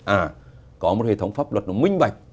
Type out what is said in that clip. à có một hệ thống pháp luật nó minh bạch